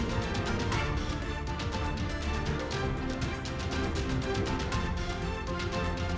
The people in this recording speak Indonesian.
saya budha diputro selamat malam